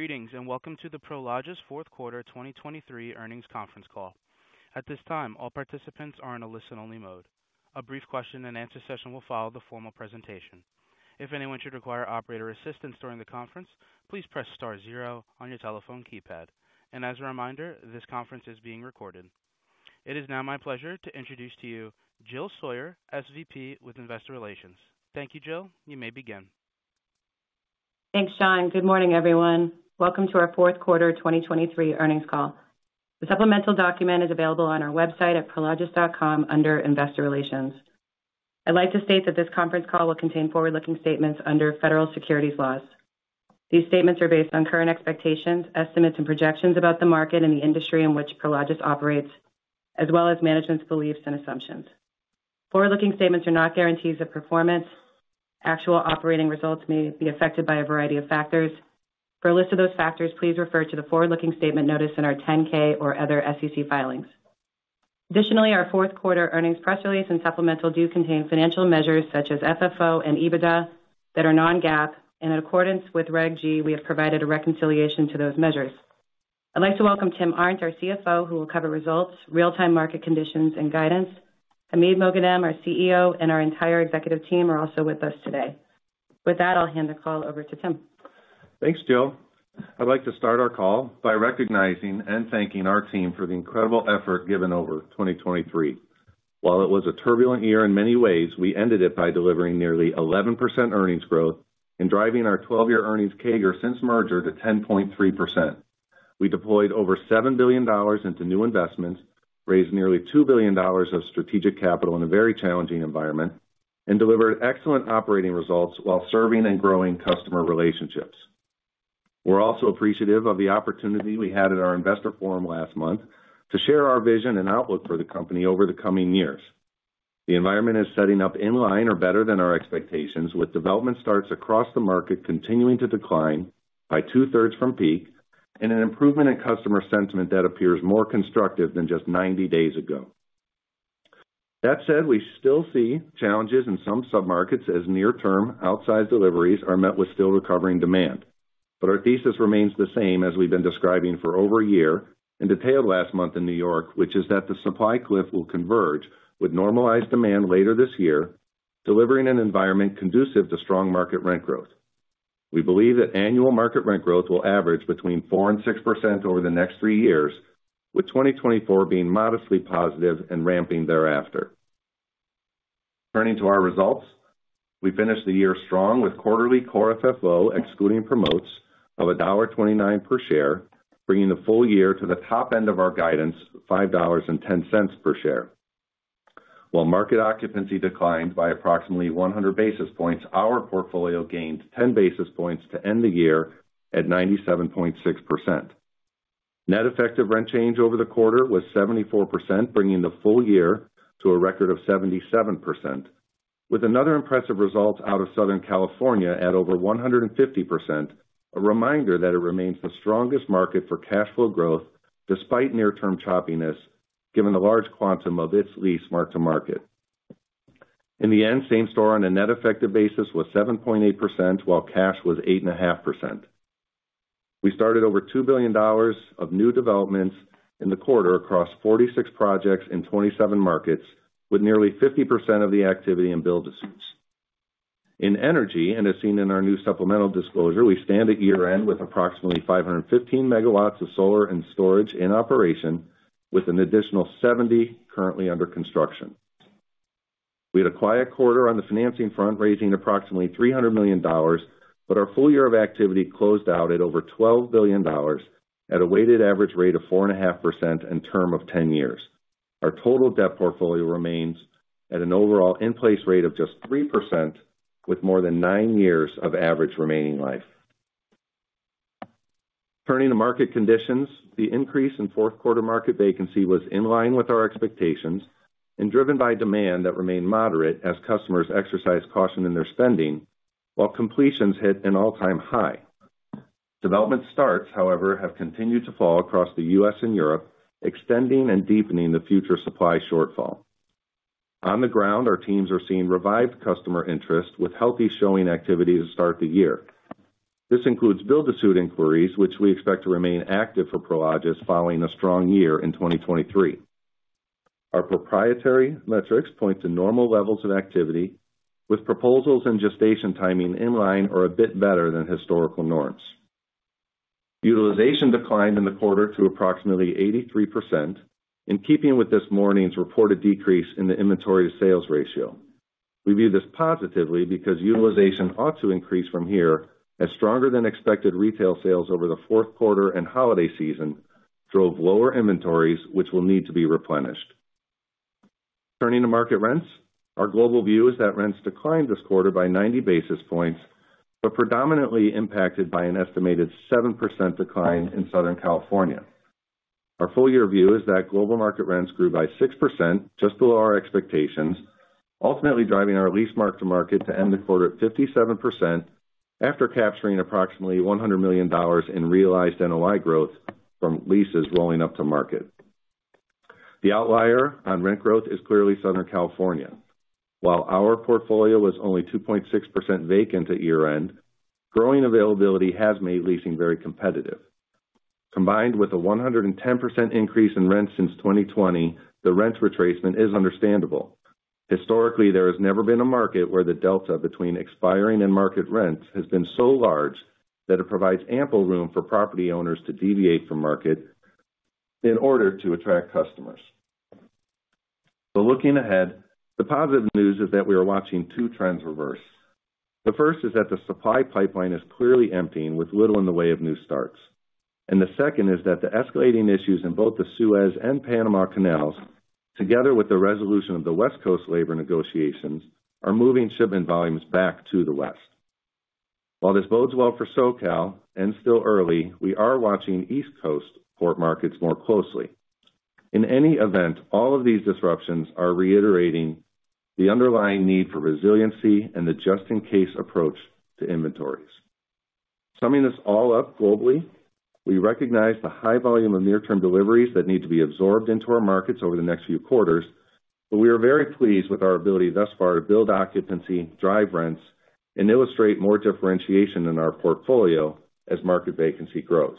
Greetings, and welcome to the Prologis fourth quarter 2023 earnings conference call. At this time, all participants are in a listen-only mode. A brief question and answer session will follow the formal presentation. If anyone should require operator assistance during the conference, please press star zero on your telephone keypad. As a reminder, this conference is being recorded. It is now my pleasure to introduce to you Jill Sawyer, SVP with Investor Relations. Thank you, Jill. You may begin. Thanks, Sean. Good morning, everyone. Welcome to our fourth quarter 2023 earnings call. The supplemental document is available on our website at prologis.com under Investor Relations. I'd like to state that this conference call will contain forward-looking statements under federal securities laws. These statements are based on current expectations, estimates, and projections about the market and the industry in which Prologis operates, as well as management's beliefs and assumptions. Forward-looking statements are not guarantees of performance. Actual operating results may be affected by a variety of factors. For a list of those factors, please refer to the forward-looking statement notice in our 10-K or other SEC filings. Additionally, our fourth quarter earnings press release and supplemental do contain financial measures such as FFO and EBITDA that are non-GAAP, and in accordance with Reg G, we have provided a reconciliation to those measures. I'd like to welcome Tim Arndt, our CFO, who will cover results, real-time market conditions, and guidance. Hamid Moghadam, our CEO, and our entire executive team are also with us today. With that, I'll hand the call over to Tim. Thanks, Jill. I'd like to start our call by recognizing and thanking our team for the incredible effort given over 2023. While it was a turbulent year in many ways, we ended it by delivering nearly 11% earnings growth and driving our 12-year earnings CAGR since merger to 10.3%. We deployed over $7 billion into new investments, raised nearly $2 billion of strategic capital in a very challenging environment, and delivered excellent operating results while serving and growing customer relationships. We're also appreciative of the opportunity we had at our investor forum last month to share our vision and outlook for the company over the coming years. The environment is setting up in line or better than our expectations, with development starts across the market continuing to decline by two-thirds from peak, and an improvement in customer sentiment that appears more constructive than just 90 days ago. That said, we still see challenges in some submarkets as near-term outside deliveries are met with still recovering demand. But our thesis remains the same as we've been describing for over a year and detailed last month in New York, which is that the supply cliff will converge with normalized demand later this year, delivering an environment conducive to strong market rent growth. We believe that annual market rent growth will average between 4% and 6% over the next three years, with 2024 being modestly positive and ramping thereafter. Turning to our results, we finished the year strong with quarterly core FFO, excluding promotes, of $1.29 per share, bringing the full year to the top end of our guidance, $5.10 per share. While market occupancy declined by approximately 100 basis points, our portfolio gained 10 basis points to end the year at 97.6%. Net effective rent change over the quarter was 74%, bringing the full year to a record of 77%, with another impressive result out of Southern California at over 150%. A reminder that it remains the strongest market for cash flow growth despite near-term choppiness, given the large quantum of its lease mark-to-market. In the end, same store on a net effective basis was 7.8%, while cash was 8.5%. We started over $2 billion of new developments in the quarter across 46 projects in 27 markets, with nearly 50% of the activity in build-to-suits. In energy, and as seen in our new supplemental disclosure, we stand at year-end with approximately 515 MW of solar and storage in operation, with an additional 70 currently under construction. We had a quiet quarter on the financing front, raising approximately $300 million, but our full year of activity closed out at over $12 billion at a weighted average rate of 4.5% and term of 10 years. Our total debt portfolio remains at an overall in-place rate of just 3%, with more than 9 years of average remaining life. Turning to market conditions, the increase in fourth quarter market vacancy was in line with our expectations and driven by demand that remained moderate as customers exercised caution in their spending while completions hit an all-time high. Development starts, however, have continued to fall across the U.S. and Europe, extending and deepening the future supply shortfall. On the ground, our teams are seeing revived customer interest with healthy showing activity to start the year. This includes build-to-suit inquiries, which we expect to remain active for Prologis following a strong year in 2023. Our proprietary metrics point to normal levels of activity, with proposals and gestation timing in line or a bit better than historical norms. Utilization declined in the quarter to approximately 83%, in keeping with this morning's reported decrease in the inventory-to-sales ratio. We view this positively because utilization ought to increase from here as stronger-than-expected retail sales over the fourth quarter and holiday season drove lower inventories, which will need to be replenished. Turning to market rents, our global view is that rents declined this quarter by 90 basis points, but predominantly impacted by an estimated 7% decline in Southern California. Our full year view is that global market rents grew by 6%, just below our expectations, ultimately driving our lease mark-to-market to end the quarter at 57%, after capturing approximately $100 million in realized NOI growth from leases rolling up to market. The outlier on rent growth is clearly Southern California. While our portfolio was only 2.6% vacant at year-end, growing availability has made leasing very competitive. Combined with a 110% increase in rent since 2020, the rent retracement is understandable. Historically, there has never been a market where the delta between expiring and market rents has been so large that it provides ample room for property owners to deviate from market in order to attract customers. But looking ahead, the positive news is that we are watching two trends reverse. The first is that the supply pipeline is clearly emptying, with little in the way of new starts. And the second is that the escalating issues in both the Suez Canal and Panama Canal, together with the resolution of the West Coast labor negotiations, are moving shipment volumes back to the West. While this bodes well for SoCal, and still early, we are watching East Coast port markets more closely. In any event, all of these disruptions are reiterating the underlying need for resiliency and the just-in-case approach to inventories. Summing this all up globally, we recognize the high volume of near-term deliveries that need to be absorbed into our markets over the next few quarters, but we are very pleased with our ability thus far to build occupancy, drive rents, and illustrate more differentiation in our portfolio as market vacancy grows.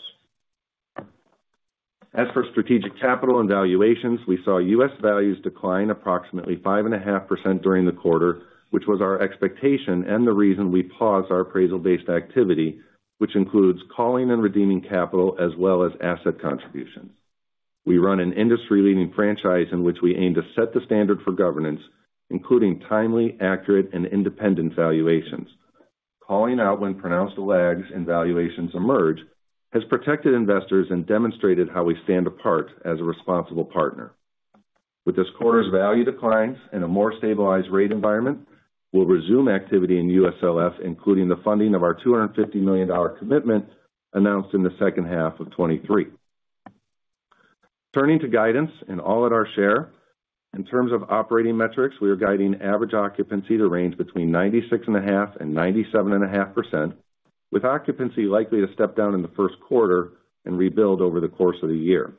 As for strategic capital and valuations, we saw U.S. values decline approximately 5.5% during the quarter, which was our expectation and the reason we paused our appraisal-based activity, which includes calling and redeeming capital as well as asset contributions. We run an industry-leading franchise in which we aim to set the standard for governance, including timely, accurate, and independent valuations. Calling out when pronounced lags and valuations emerge has protected investors and demonstrated how we stand apart as a responsible partner. With this quarter's value declines and a more stabilized rate environment, we'll resume activity in USLF, including the funding of our $250 million commitment announced in the second half of 2023. Turning to guidance, all at our share. In terms of operating metrics, we are guiding average occupancy to range between 96.5% and 97.5%, with occupancy likely to step down in the first quarter and rebuild over the course of the year.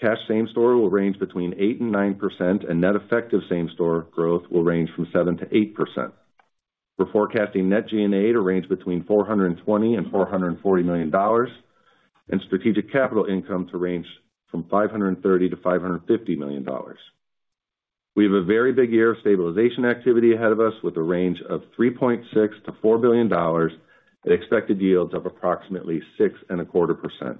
Cash same-store will range between 8% and 9%, and net effective same-store growth will range from 7%-8%. We're forecasting net G&A to range between $420 million and $440 million, and strategic capital income to range from $530 million-$550 million. We have a very big year of stabilization activity ahead of us, with a range of $3.6 billion-$4 billion, at expected yields of approximately 6.25%.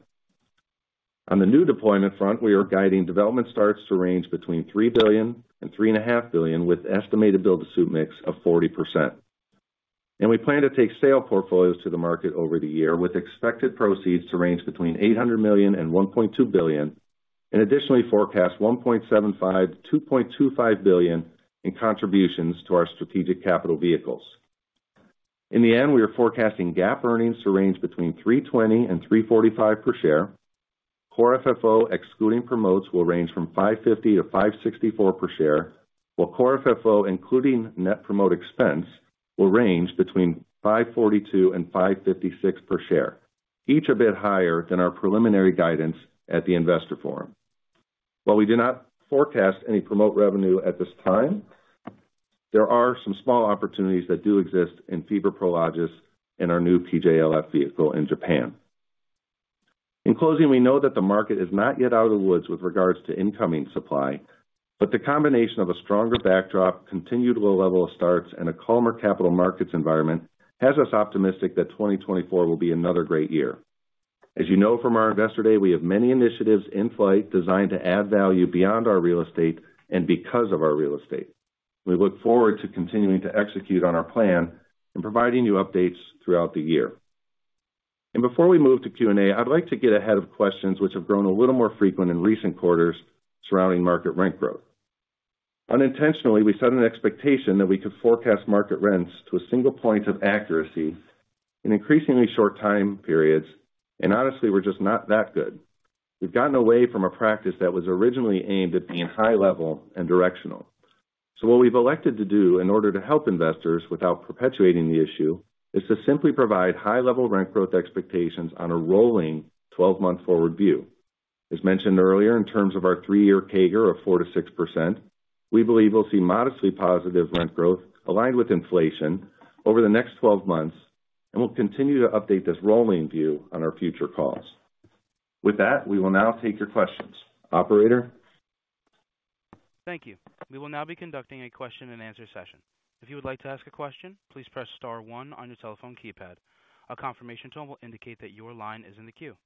On the new deployment front, we are guiding development starts to range between $3 billion and $3.5 billion, with estimated build-to-suit mix of 40%. We plan to take sale portfolios to the market over the year, with expected proceeds to range between $800 million and $1.2 billion, and additionally forecast $1.75 billion-$2.25 billion in contributions to our strategic capital vehicles. In the end, we are forecasting GAAP earnings to range between $3.20-$3.45 per share. Core FFO, excluding promotes, will range from $5.50-$5.64 per share, while core FFO, including net promote expense, will range between $5.42-$5.56 per share, each a bit higher than our preliminary guidance at the investor forum. While we do not forecast any promote revenue at this time, there are some small opportunities that do exist in FIBRA Prologis and our new PJLF vehicle in Japan. In closing, we know that the market is not yet out of the woods with regards to incoming supply, but the combination of a stronger backdrop, continued low level of starts, and a calmer capital markets environment has us optimistic that 2024 will be another great year. As you know from our Investor Day, we have many initiatives in flight designed to add value beyond our real estate and because of our real estate. We look forward to continuing to execute on our plan and providing you updates throughout the year. Before we move to Q&A, I'd like to get ahead of questions which have grown a little more frequent in recent quarters surrounding market rent growth. Unintentionally, we set an expectation that we could forecast market rents to a single point of accuracy in increasingly short time periods, and honestly, we're just not that good. We've gotten away from a practice that was originally aimed at being high level and directional. What we've elected to do in order to help investors without perpetuating the issue, is to simply provide high-level rent growth expectations on a rolling twelve-month forward view. As mentioned earlier, in terms of our three-year CAGR of 4%-6%, we believe we'll see modestly positive rent growth aligned with inflation over the next 12 months, and we'll continue to update this rolling view on our future calls. With that, we will now take your questions. Operator? Thank you. We will now be conducting a question-and-answer session. If you would like to ask a question, please press star one on your telephone keypad. A confirmation tone will indicate that your line is in the queue.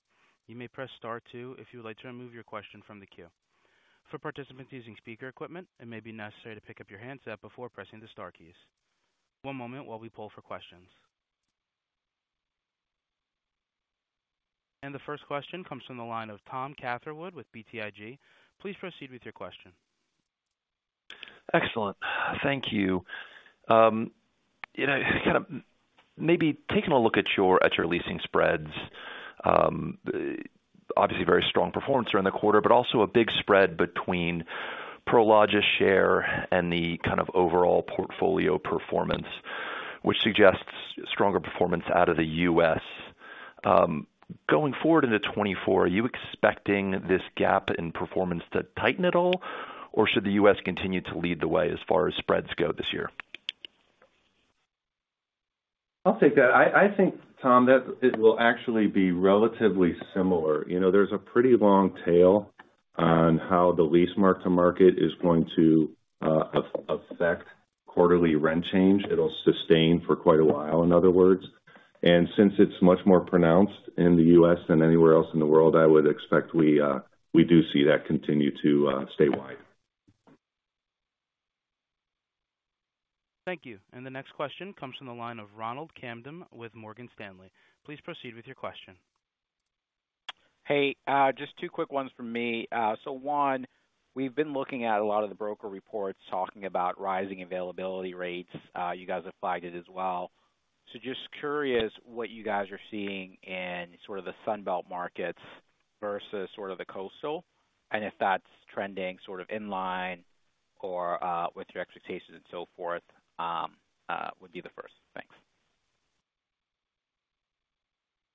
You may press star two if you would like to remove your question from the queue. For participants using speaker equipment, it may be necessary to pick up your handset before pressing the star keys. One moment while we pull for questions. The first question comes from the line of Tom Catherwood with BTIG. Please proceed with your question. Excellent. Thank you. You know, kind of maybe taking a look at your, at your leasing spreads, obviously very strong performance during the quarter, but also a big spread between Prologis share and the kind of overall portfolio performance, which suggests stronger performance out of the U.S.... Going forward into 2024, are you expecting this gap in performance to tighten at all? Or should the U.S. continue to lead the way as far as spreads go this year? I'll take that. I, I think, Tom, that it will actually be relatively similar. You know, there's a pretty long tail on how the lease mark-to-market is going to affect quarterly rent change. It'll sustain for quite a while, in other words. And since it's much more pronounced in the U.S. than anywhere else in the world, I would expect we do see that continue to stay wide. Thank you. The next question comes from the line of Ronald Kamdem with Morgan Stanley. Please proceed with your question. Hey, just two quick ones from me. So one, we've been looking at a lot of the broker reports talking about rising availability rates. You guys have flagged it as well. So just curious what you guys are seeing in sort of the Sun Belt markets versus sort of the coastal, and if that's trending sort of in line or, with your expectations and so forth, would be the first. Thanks.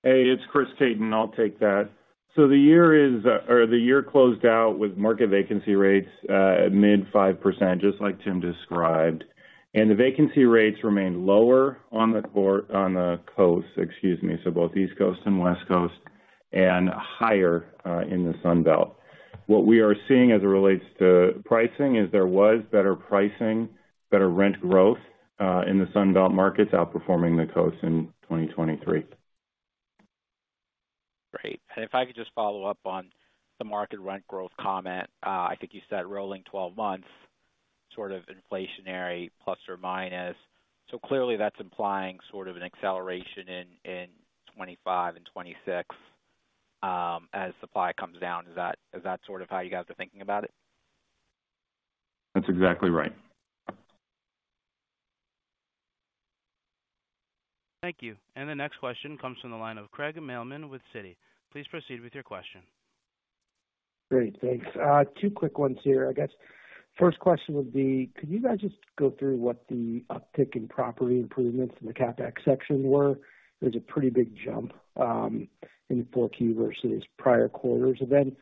Hey, it's Chris Caton. I'll take that. So the year closed out with market vacancy rates at mid-5%, just like Tim described. And the vacancy rates remained lower on the coast, excuse me, so both East Coast and West Coast, and higher in the Sun Belt. What we are seeing as it relates to pricing, is there was better pricing, better rent growth in the Sun Belt markets, outperforming the coast in 2023. Great. And if I could just follow up on the market rent growth comment. I think you said rolling 12 months, sort of inflationary, plus or minus. So clearly, that's implying sort of an acceleration in, in 2025 and 2026, as supply comes down. Is that, is that sort of how you guys are thinking about it? That's exactly right. Thank you. The next question comes from the line of Craig Mailman with Citi. Please proceed with your question. Great, thanks. Two quick ones here. I guess, first question would be, could you guys just go through what the uptick in property improvements in the CapEx section were? There's a pretty big jump in 4Q versus prior quarters. And then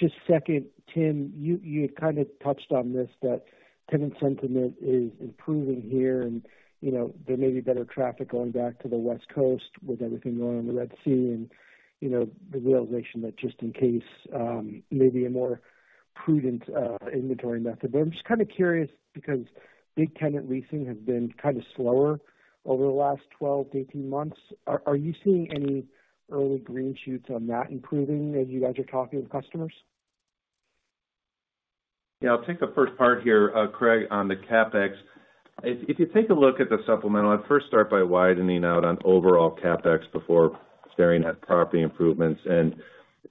just second, Tim, you had kind of touched on this, that tenant sentiment is improving here, and, you know, there may be better traffic going back to the West Coast with everything going on in the Red Sea and, you know, the realization that just in case, maybe a more prudent inventory method. But I'm just kind of curious, because big tenant leasing has been kind of slower over the last 12-18 months. Are you seeing any early green shoots on that improving as you guys are talking with customers? Yeah, I'll take the first part here, Craig, on the CapEx. If you take a look at the supplemental, I'd first start by widening out on overall CapEx before staring at property improvements. And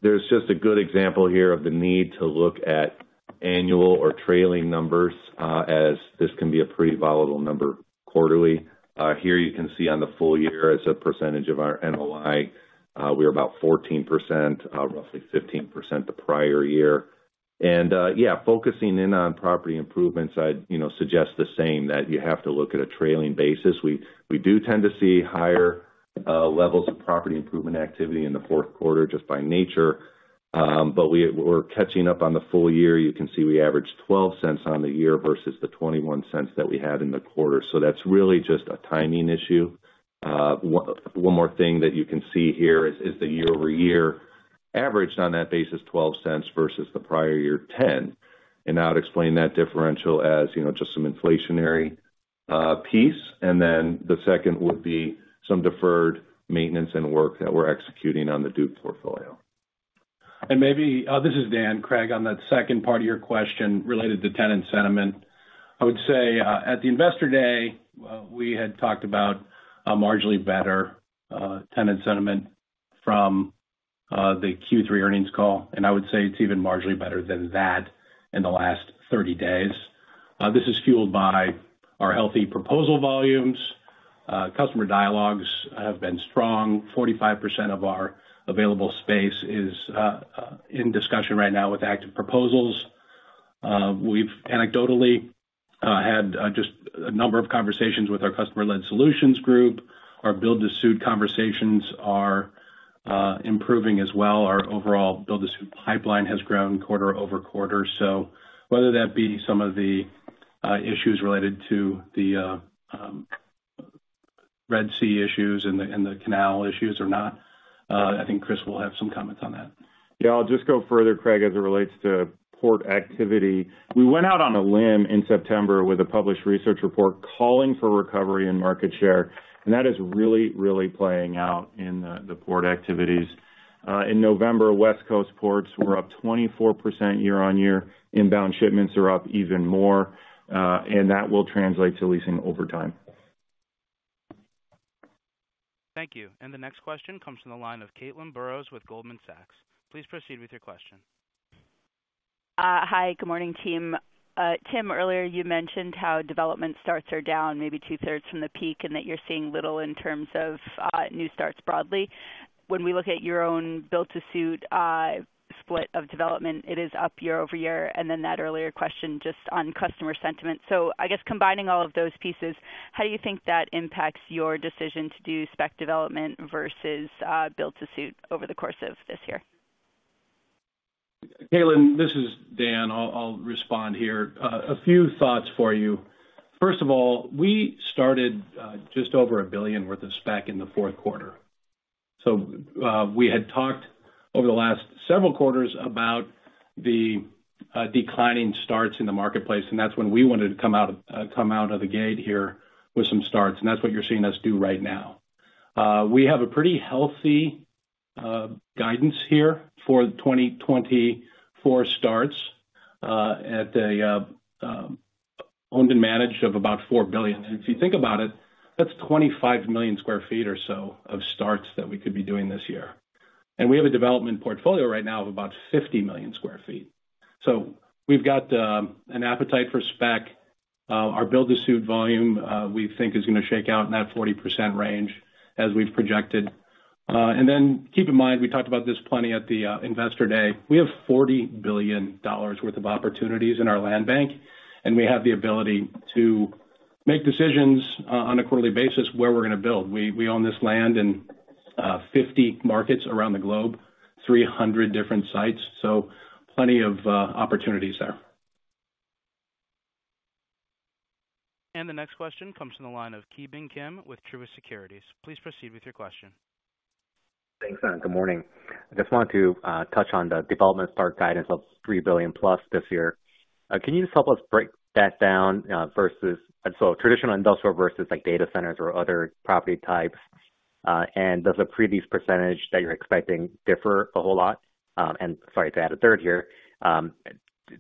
there's just a good example here of the need to look at annual or trailing numbers, as this can be a pretty volatile number quarterly. Here you can see on the full year, as a percentage of our NOI, we are about 14%, roughly 15% the prior year. And, yeah, focusing in on property improvements, I'd, you know, suggest the same, that you have to look at a trailing basis. We do tend to see higher levels of property improvement activity in the fourth quarter, just by nature. But we're catching up on the full year. You can see we averaged $0.12 on the year versus the $0.21 that we had in the quarter. So that's really just a timing issue. One more thing that you can see here is the year-over-year average on that basis, $0.12 versus the prior year, $0.10. And I would explain that differential as, you know, just some inflationary piece, and then the second would be some deferred maintenance and work that we're executing on the Duke portfolio. And maybe, this is Dan. Craig, on that second part of your question related to tenant sentiment, I would say, at the Investor Day, we had talked about a marginally better, tenant sentiment from, the Q3 earnings call, and I would say it's even marginally better than that in the last 30 days. This is fueled by our healthy proposal volumes. Customer dialogues have been strong. 45% of our available space is in discussion right now with active proposals. We've anecdotally had just a number of conversations with our customer-led solutions group. Our build-to-suit conversations are improving as well. Our overall build-to-suit pipeline has grown quarter-over-quarter. So whether that be some of the issues related to the Red Sea issues and the canal issues or not, I think Chris will have some comments on that. Yeah, I'll just go further, Craig, as it relates to port activity. We went out on a limb in September with a published research report calling for recovery and market share, and that is really, really playing out in the port activities. In November, West Coast ports were up 24% year-on-year. Inbound shipments are up even more, and that will translate to leasing over time. Thank you. The next question comes from the line of Caitlin Burrows with Goldman Sachs. Please proceed with your question. Hi, good morning, team. Tim, earlier you mentioned how development starts are down maybe two-thirds from the peak, and that you're seeing little in terms of new starts broadly. When we look at your own build-to-suit split of development, it is up year-over-year, and then that earlier question just on customer sentiment. So I guess combining all of those pieces, how do you think that impacts your decision to do spec development versus build-to-suit over the course of this year? ... Caitlin, this is Dan. I'll respond here. A few thoughts for you. First of all, we started just over $1 billion worth of spec in the fourth quarter. So, we had talked over the last several quarters about the declining starts in the marketplace, and that's when we wanted to come out of the gate here with some starts, and that's what you're seeing us do right now. We have a pretty healthy guidance here for 2024 starts, at a owned and managed of about $4 billion. And if you think about it, that's 25 million sq ft or so of starts that we could be doing this year. And we have a development portfolio right now of about 50 million sq ft. So we've got an appetite for spec. Our build-to-suit volume, we think is gonna shake out in that 40% range as we've projected. And then keep in mind, we talked about this plenty at the Investor Day. We have $40 billion worth of opportunities in our land bank, and we have the ability to make decisions on a quarterly basis where we're gonna build. We own this land in 50 markets around the globe, 300 different sites, so plenty of opportunities there. The next question comes from the line of Ki Bin Kim with Truist Securities. Please proceed with your question. Thanks, and good morning. I just want to touch on the development part guidance of $3 billion+ this year. Can you just help us break that down, versus... And so traditional industrial versus, like, data centers or other property types? And does the previous percentage that you're expecting differ a whole lot? And sorry, to add a third here.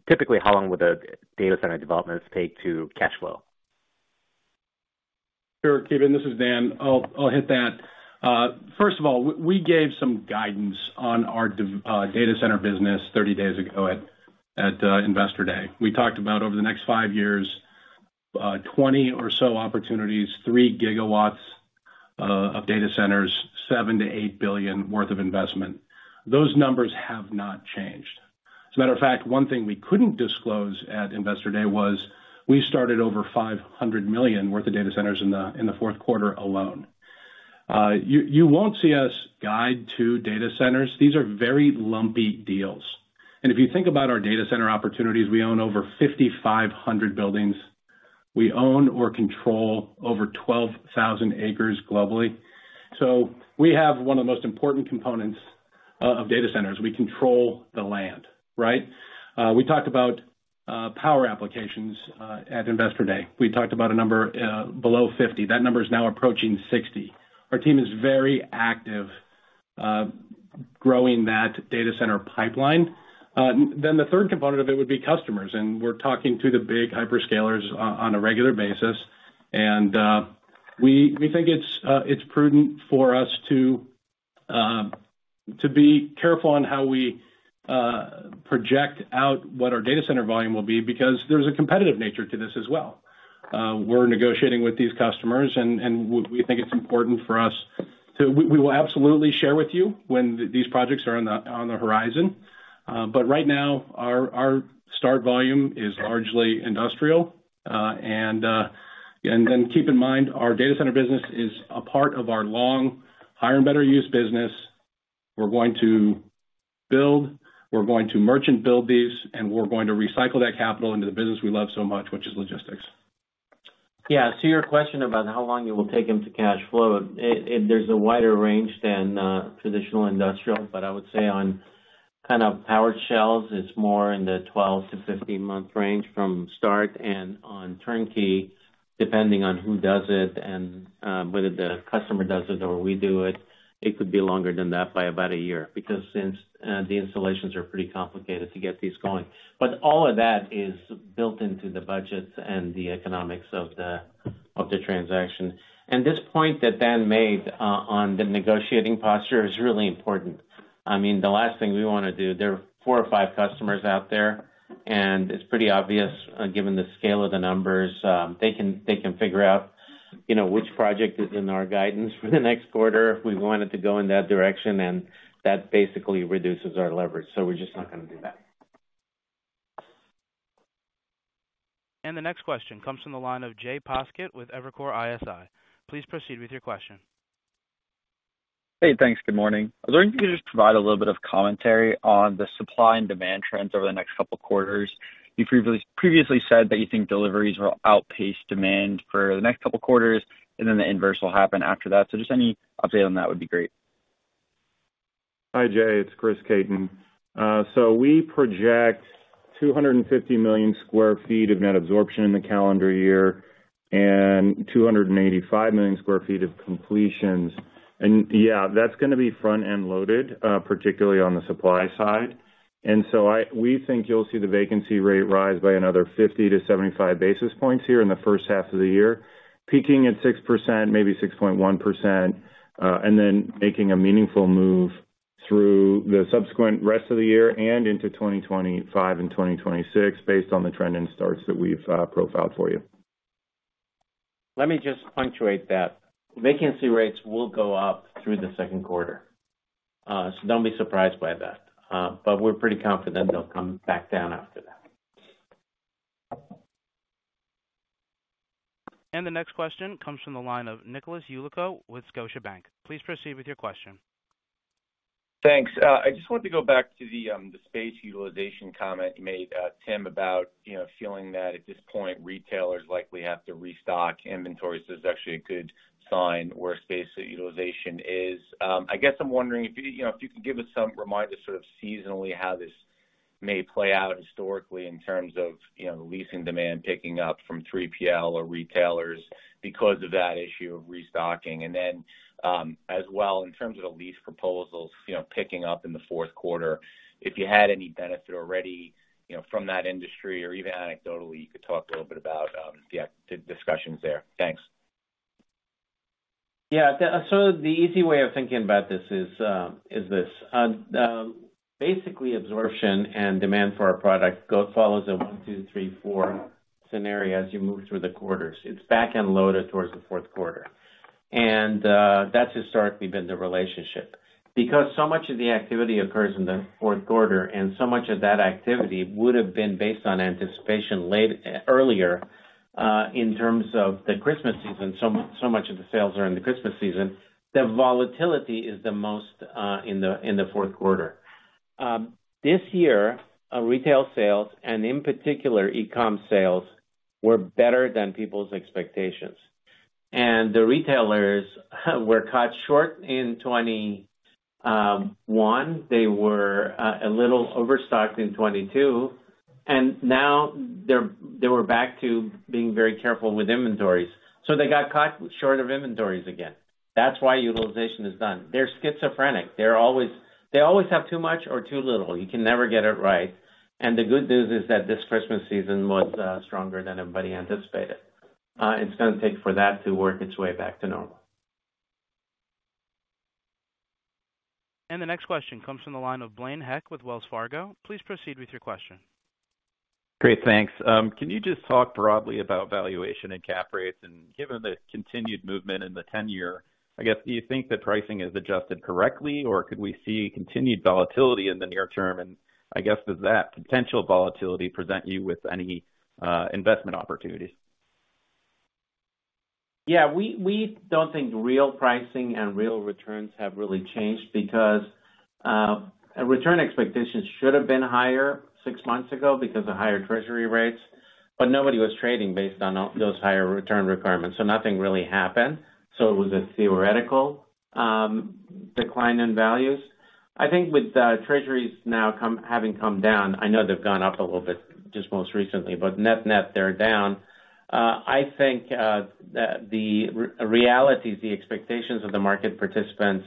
Typically, how long would the data center developments take to cash flow? Sure, Ki Bin, this is Dan. I'll hit that. First of all, we gave some guidance on our data center business 30 days ago at Investor Day. We talked about over the next five years, 20 or so opportunities, 3 GW of data centers, $7 billion-$8 billion worth of investment. Those numbers have not changed. As a matter of fact, one thing we couldn't disclose at Investor Day was, we started over $500 million worth of data centers in the fourth quarter alone. You won't see us guide to data centers. These are very lumpy deals. And if you think about our data center opportunities, we own over 5,500 buildings. We own or control over 12,000 acres globally. So we have one of the most important components of data centers. We control the land, right? We talked about power applications at Investor Day. We talked about a number below 50. That number is now approaching 60. Our team is very active growing that data center pipeline. Then the third component of it would be customers, and we're talking to the big hyperscalers on a regular basis. And we think it's prudent for us to be careful on how we project out what our data center volume will be, because there's a competitive nature to this as well. We're negotiating with these customers, and we think it's important for us to... We will absolutely share with you when these projects are on the horizon. But right now, our start volume is largely industrial. And then keep in mind, our data center business is a part of our highest and best use business. We're going to build, we're going to merchant build these, and we're going to recycle that capital into the business we love so much, which is logistics. Yeah. To your question about how long it will take them to cash flow, there's a wider range than traditional industrial, but I would say on kind of Powered Shells, it's more in the 12-15-month range from start and on Turnkey, depending on who does it and whether the customer does it or we do it, it could be longer than that by about a year. Because since the installations are pretty complicated to get these going. But all of that is built into the budgets and the economics of the transaction. And this point that Dan made on the negotiating posture is really important. I mean, the last thing we wanna do, there are four or five customers out there, and it's pretty obvious, given the scale of the numbers, they can, they can figure out, you know, which project is in our guidance for the next quarter, if we want it to go in that direction, and that basically reduces our leverage. So we're just not gonna do that. The next question comes from the line of Jay Poskitt with Evercore ISI. Please proceed with your question. Hey, thanks. Good morning. I was wondering if you could just provide a little bit of commentary on the supply and demand trends over the next couple quarters. You've previously said that you think deliveries will outpace demand for the next couple quarters, and then the inverse will happen after that. So just any update on that would be great. Hi, Jay, it's Chris Caton. So we project 250 million sq ft of net absorption in the calendar year and 285 million sq ft of completions. And yeah, that's gonna be front-end loaded, particularly on the supply side. And so we think you'll see the vacancy rate rise by another 50-75 basis points here in the first half of the year, peaking at 6%, maybe 6.1%, and then making a meaningful move through the subsequent rest of the year and into 2025 and 2026, based on the trend and starts that we've profiled for you. Let me just punctuate that. Vacancy rates will go up through the second quarter, so don't be surprised by that. But we're pretty confident they'll come back down after. The next question comes from the line of Nicholas Yulico with Scotiabank. Please proceed with your question. Thanks. I just wanted to go back to the space utilization comment you made, Tim, about, you know, feeling that at this point, retailers likely have to restock inventories. There's actually a good sign where space utilization is. I guess I'm wondering if you, you know, if you could give us some reminder, sort of seasonally, how this may play out historically in terms of, you know, leasing demand picking up from 3PL or retailers because of that issue of restocking. And then, as well, in terms of the lease proposals, you know, picking up in the fourth quarter, if you had any benefit already, you know, from that industry, or even anecdotally, you could talk a little bit about the discussions there. Thanks. Yeah, so the easy way of thinking about this is this. Basically, absorption and demand for our product follows a 1, 2, 3, 4 scenario as you move through the quarters. It's back-end loaded towards the fourth quarter. And that's historically been the relationship. Because so much of the activity occurs in the fourth quarter, and so much of that activity would have been based on anticipation late earlier in terms of the Christmas season, so much of the sales are in the Christmas season, the volatility is the most in the fourth quarter. This year, retail sales, and in particular, e-com sales, were better than people's expectations. And the retailers were caught short in 2021. They were a little overstocked in 2022, and now they're, they were back to being very careful with inventories, so they got caught short of inventories again. That's why utilization is done. They're schizophrenic. They're always—they always have too much or too little. You can never get it right. And the good news is that this Christmas season was stronger than anybody anticipated. It's gonna take for that to work its way back to normal. The next question comes from the line of Blaine Heck with Wells Fargo. Please proceed with your question. Great, thanks. Can you just talk broadly about valuation and cap rates, and given the continued movement in the 10-year, I guess, do you think the pricing is adjusted correctly, or could we see continued volatility in the near term? And I guess, does that potential volatility present you with any investment opportunities? Yeah, we don't think real pricing and real returns have really changed because return expectations should have been higher six months ago because of higher treasury rates, but nobody was trading based on those higher return requirements, so nothing really happened. So it was a theoretical decline in values. I think with treasuries now having come down, I know they've gone up a little bit just most recently, but net-net, they're down. I think the reality is the expectations of the market participants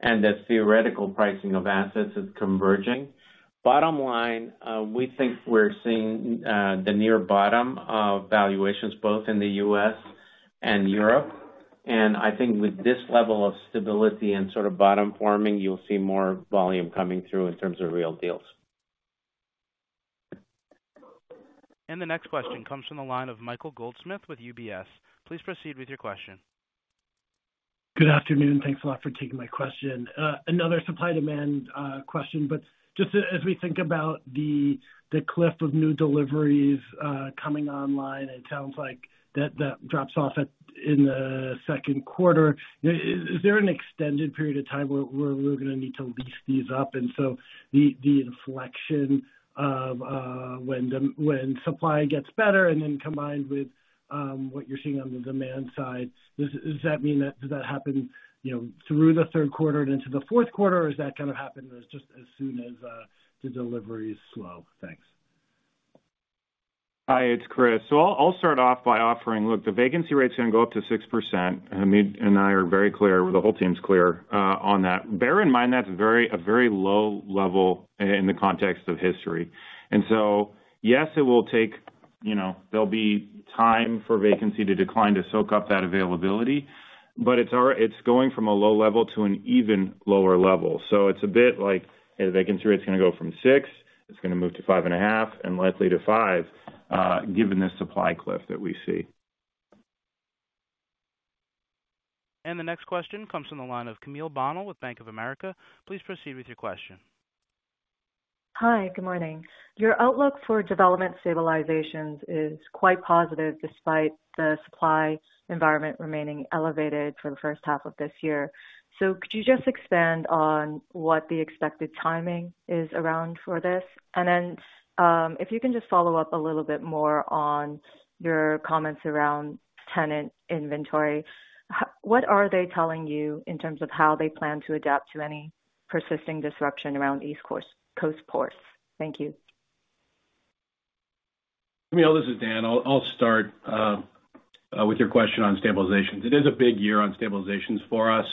and the theoretical pricing of assets is converging. Bottom line, we think we're seeing the near bottom of valuations, both in the U.S. and Europe. I think with this level of stability and sort of bottom forming, you'll see more volume coming through in terms of real deals. The next question comes from the line of Michael Goldsmith with UBS. Please proceed with your question. Good afternoon. Thanks a lot for taking my question. Another supply-demand question, but just as we think about the cliff of new deliveries coming online, it sounds like that drops off in the second quarter. Is there an extended period of time where we're gonna need to lease these up? And so the inflection of when the supply gets better and then combined with what you're seeing on the demand side, does that mean that does that happen, you know, through the third quarter into the fourth quarter, or is that gonna happen just as soon as the deliveries slow? Thanks. Hi, it's Chris. So I'll start off by offering, look, the vacancy rate is gonna go up to 6%, and Hamid and I are very clear, the whole team's clear, on that. Bear in mind, that's very, a very low level in the context of history. And so, yes, it will take, you know, there'll be time for vacancy to decline, to soak up that availability, but it's our-- it's going from a low level to an even lower level. So it's a bit like a vacancy rate is gonna go from 6, it's gonna move to 5.5 and likely to 5, given the supply cliff that we see. The next question comes from the line of Camille Bonnel with Bank of America. Please proceed with your question. Hi, good morning. Your outlook for development stabilizations is quite positive, despite the supply environment remaining elevated for the first half of this year. So could you just expand on what the expected timing is around for this? And then, if you can just follow up a little bit more on your comments around tenant inventory? What are they telling you in terms of how they plan to adapt to any persisting disruption around East Coast ports? Thank you. Camille, this is Dan. I'll start with your question on stabilizations. It is a big year on stabilizations for us.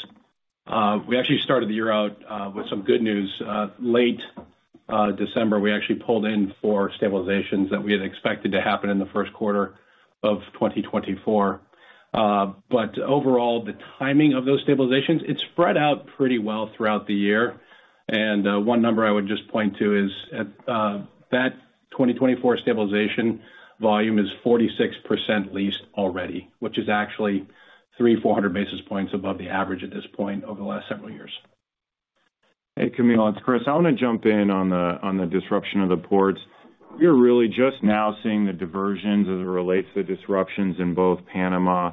We actually started the year out with some good news. Late December, we actually pulled in for stabilizations that we had expected to happen in the first quarter of 2024. But overall, the timing of those stabilizations, it's spread out pretty well throughout the year. One number I would just point to is at that 2024 stabilization volume is 46% leased already, which is actually 300-400 basis points above the average at this point over the last several years. ... Hey, Camille, it's Chris. I want to jump in on the disruption of the ports. We are really just now seeing the diversions as it relates to the disruptions in both Panama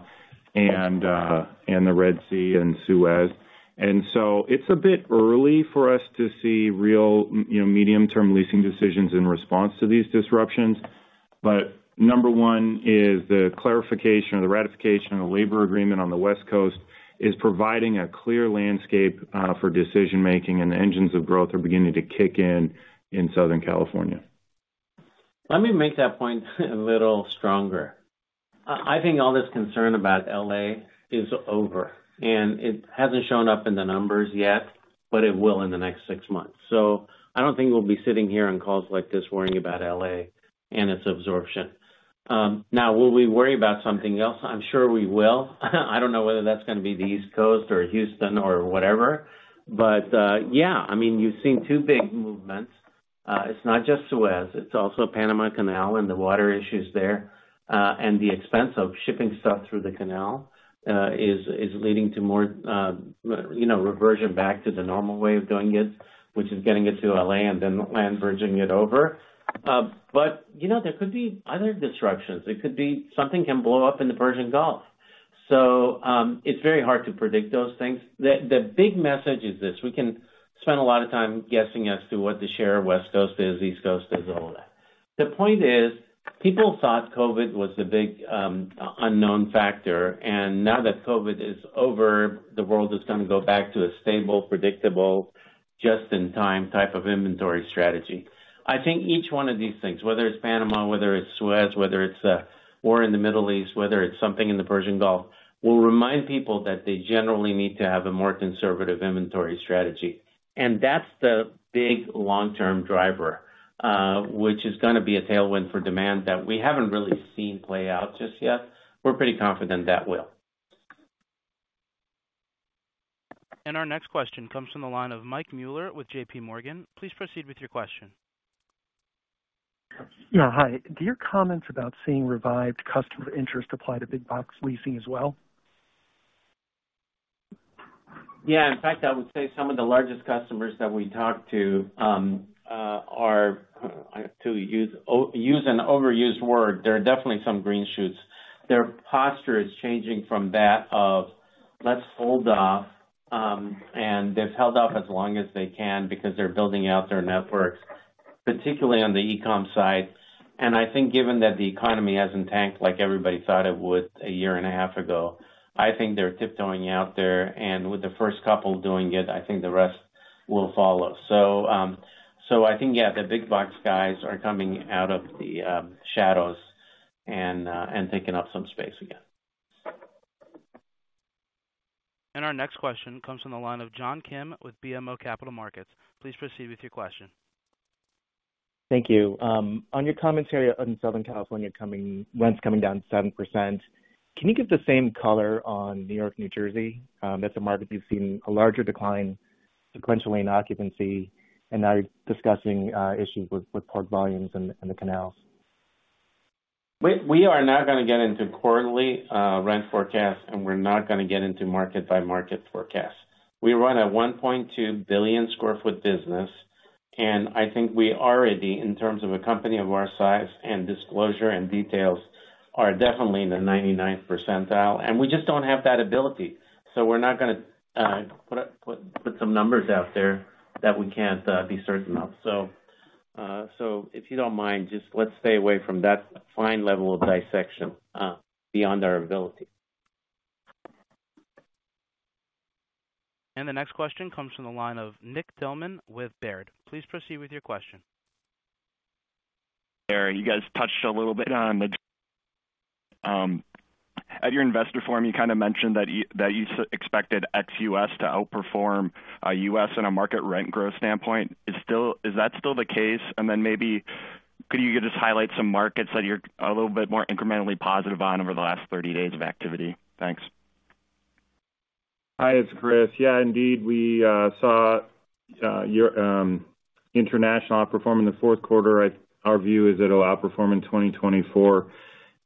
and the Red Sea and Suez. And so it's a bit early for us to see real, you know, medium-term leasing decisions in response to these disruptions. But number one is the clarification or the ratification of the labor agreement on the West Coast is providing a clear landscape for decision making, and the engines of growth are beginning to kick in in Southern California. Let me make that point a little stronger. I think all this concern about LA is over, and it hasn't shown up in the numbers yet, but it will in the next six months. So I don't think we'll be sitting here on calls like this, worrying about LA and its absorption. Now, will we worry about something else? I'm sure we will. I don't know whether that's going to be the East Coast or Houston or whatever, but, yeah, I mean, you've seen two big movements. It's not just Suez, it's also Panama Canal and the water issues there. And the expense of shipping stuff through the canal is leading to more, you know, reversion back to the normal way of doing it, which is getting it to LA and then land bridging it over. But, you know, there could be other disruptions. It could be something can blow up in the Persian Gulf. So, it's very hard to predict those things. The big message is this: we can spend a lot of time guessing as to what the share of West Coast is, East Coast is, all that. The point is, people thought COVID was the big unknown factor, and now that COVID is over, the world is going to go back to a stable, predictable, just-in-time type of inventory strategy. I think each one of these things, whether it's Panama, whether it's Suez, whether it's war in the Middle East, whether it's something in the Persian Gulf, will remind people that they generally need to have a more conservative inventory strategy. That's the big long-term driver, which is gonna be a tailwind for demand that we haven't really seen play out just yet. We're pretty confident that will. Our next question comes from the line of Mike Mueller with JPMorgan. Please proceed with your question. Yeah, hi. Do your comments about seeing revived customer interest apply to big box leasing as well? Yeah, in fact, I would say some of the largest customers that we talk to are, to use an overused word, there are definitely some green shoots. Their posture is changing from that of, "Let's hold off." And they've held off as long as they can because they're building out their networks, particularly on the e-com side. And I think given that the economy hasn't tanked like everybody thought it would a year and a half ago, I think they're tiptoeing out there, and with the first couple doing it, I think the rest will follow. So, so I think, yeah, the big box guys are coming out of the shadows and taking up some space again. Our next question comes from the line of John Kim with BMO Capital Markets. Please proceed with your question. Thank you. On your commentary on Southern California rents coming down 7%, can you give the same color on New York, New Jersey? That's a market we've seen a larger decline sequentially in occupancy and now you're discussing issues with port volumes and the canals. We are not gonna get into quarterly rent forecasts, and we're not gonna get into market-by-market forecasts. We run a 1.2 billion sq ft business, and I think we already, in terms of a company of our size and disclosure and details, are definitely in the 99th percentile, and we just don't have that ability. So we're not gonna put some numbers out there that we can't be certain of. So if you don't mind, just let's stay away from that fine level of dissection beyond our ability. The next question comes from the line of Nick Thillman with Baird. Please proceed with your question. There, you guys touched a little bit on the. At your investor forum, you kind of mentioned that you expected ex-U.S. to outperform U.S. in a market rent growth standpoint. Is that still the case? And then maybe could you just highlight some markets that you're a little bit more incrementally positive on over the last 30 days of activity? Thanks. Hi, it's Chris. Yeah, indeed. We saw your international outperform in the fourth quarter. Our view is it'll outperform in 2024.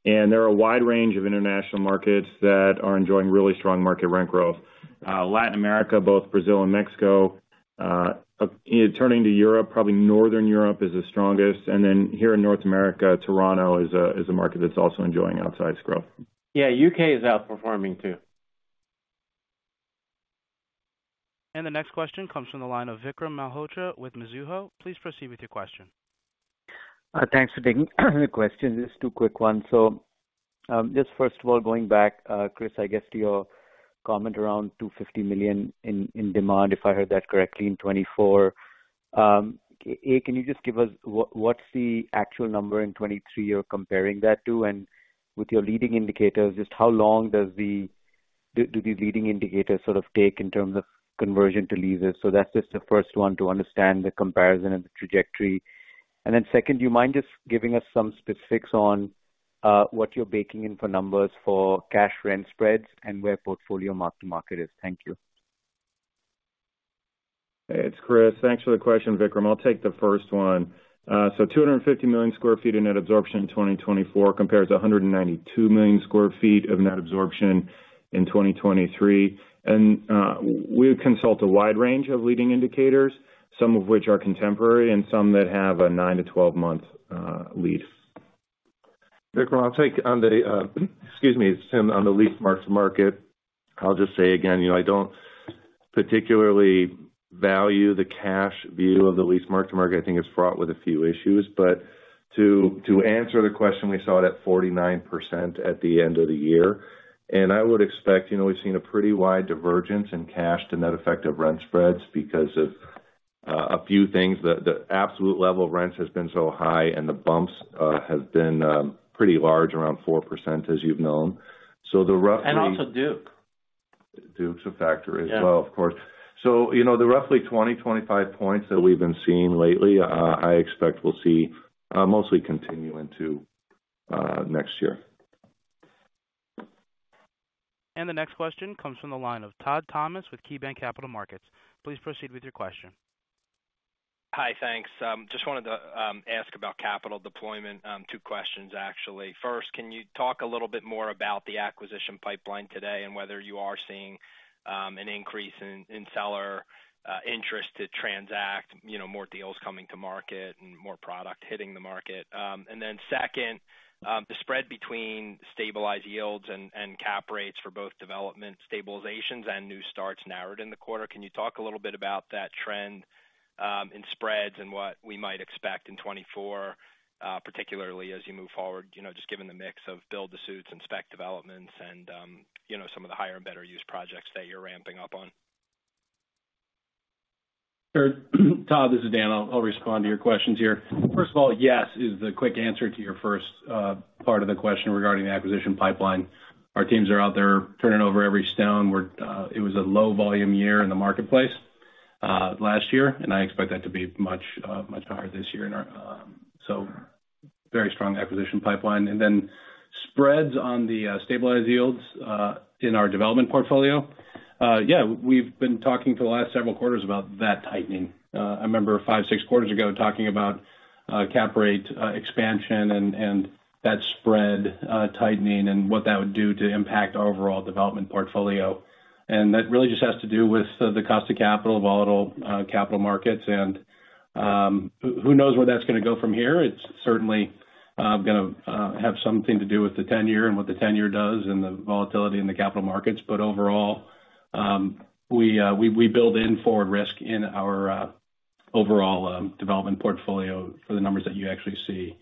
And there are a wide range of international markets that are enjoying really strong market rent growth. Latin America, both Brazil and Mexico. Turning to Europe, probably Northern Europe is the strongest. And then here in North America, Toronto is a market that's also enjoying outsized growth. Yeah, U.K. is outperforming too. The next question comes from the line of Vikram Malhotra with Mizuho. Please proceed with your question. Thanks for taking the question. Just two quick ones. So, just first of all, going back, Chris, I guess to your comment around $250 million in demand, if I heard that correctly, in 2024. A, can you just give us what, what's the actual number in 2023 you're comparing that to? And with your leading indicators, just how long does the leading indicators sort of take in terms of conversion to leases? So that's just the first one to understand the comparison and the trajectory. And then second, do you mind just giving us some specifics on what you're baking in for numbers for cash rent spreads and where portfolio mark to market is? Thank you. It's Chris. Thanks for the question, Vikram. I'll take the first one. So, 250 million sq ft of net absorption in 2024, compared to 192 million sq ft of net absorption in 2023. We consult a wide range of leading indicators, some of which are contemporary and some that have a 9- to 12-month,... lease. Nick, well, I'll take on the, excuse me, Tim, on the lease mark-to-market, I'll just say again, you know, I don't particularly value the cash view of the lease mark-to-market. I think it's fraught with a few issues. But to answer the question, we saw it at 49% at the end of the year, and I would expect, you know, we've seen a pretty wide divergence in cash to net effective rent spreads because of a few things. The absolute level of rents has been so high and the bumps have been pretty large, around 4%, as you've known. So the roughly- And also Duke. Duke's a factor as well- Yeah... Of course. So, you know, the roughly 20-25 points that we've been seeing lately, I expect we'll see mostly continue into next year. The next question comes from the line of Todd Thomas with KeyBanc Capital Markets. Please proceed with your question. Hi, thanks. Just wanted to ask about capital deployment. Two questions, actually. First, can you talk a little bit more about the acquisition pipeline today, and whether you are seeing an increase in seller interest to transact, you know, more deals coming to market and more product hitting the market? And then second, the spread between stabilized yields and cap rates for both development stabilizations and new starts narrowed in the quarter. Can you talk a little bit about that trend in spreads and what we might expect in 2024, particularly as you move forward? You know, just given the mix of build-to-suits and spec developments and, you know, some of the higher and better use projects that you're ramping up on. Sure. Todd, this is Dan. I'll respond to your questions here. First of all, yes, is the quick answer to your first part of the question regarding the acquisition pipeline. Our teams are out there turning over every stone. It was a low volume year in the marketplace last year, and I expect that to be much higher this year in our. So very strong acquisition pipeline. And then spreads on the stabilized yields in our development portfolio. Yeah, we've been talking for the last several quarters about that tightening. I remember five, six quarters ago, talking about cap rate expansion and that spread tightening and what that would do to impact our overall development portfolio. And that really just has to do with the cost of capital, volatile capital markets, and who knows where that's gonna go from here. It's certainly gonna have something to do with the 10-year and what the 10-year does and the volatility in the capital markets. But overall, we build in forward risk in our overall development portfolio for the numbers that you actually see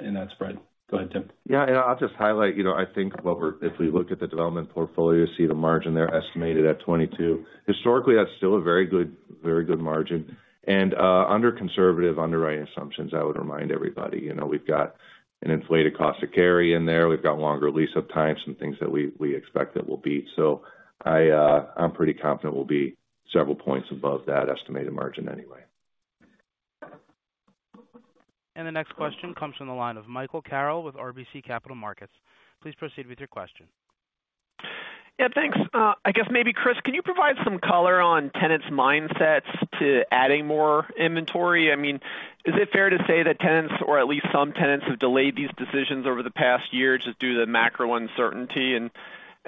in that spread. Go ahead, Tim. Yeah, and I'll just highlight, you know, I think what we're, if we look at the development portfolio, see the margin there estimated at 22. Historically, that's still a very good, very good margin. And under conservative underwriting assumptions, I would remind everybody, you know, we've got an inflated cost to carry in there. We've got longer lease-up times and things that we expect that will be. So I'm pretty confident we'll be several points above that estimated margin anyway. The next question comes from the line of Michael Carroll with RBC Capital Markets. Please proceed with your question. Yeah, thanks. I guess maybe, Chris, can you provide some color on tenants' mindsets to adding more inventory? I mean, is it fair to say that tenants or at least some tenants, have delayed these decisions over the past year just due to the macro uncertainty? And,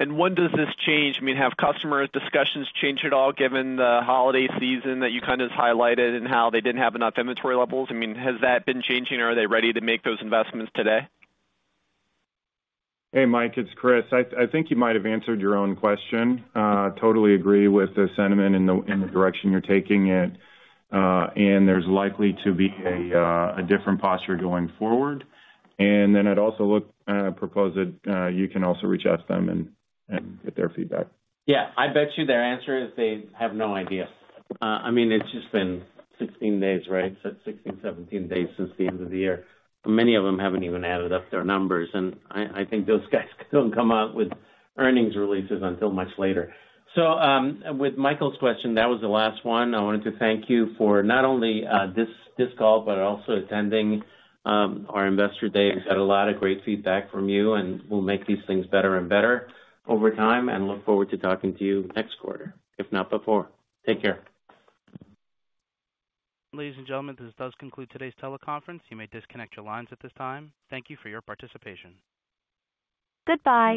and when does this change? I mean, have customer discussions changed at all given the holiday season that you kind of highlighted and how they didn't have enough inventory levels? I mean, has that been changing or are they ready to make those investments today? Hey, Mike, it's Chris. I think you might have answered your own question. Totally agree with the sentiment and the direction you're taking it. And there's likely to be a different posture going forward. And then I'd also propose that you can also reach out to them and get their feedback. Yeah. I bet you their answer is they have no idea. I mean, it's just been 16 days, right? So 16, 17 days since the end of the year. Many of them haven't even added up their numbers, and I think those guys don't come out with earnings releases until much later. So, with Michael's question, that was the last one. I wanted to thank you for not only this call, but also attending our Investor Day. We've got a lot of great feedback from you, and we'll make these things better and better over time, and look forward to talking to you next quarter, if not before. Take care. Ladies and gentlemen, this does conclude today's teleconference. You may disconnect your lines at this time. Thank you for your participation. Goodbye.